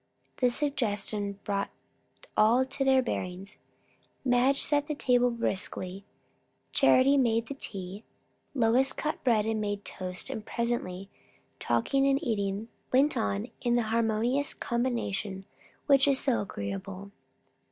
This suggestion brought all to their bearings. Madge set the table briskly, Charity made the tea, Lois cut bread and made toast; and presently talking and eating went on in the harmonious combination which is so agreeable.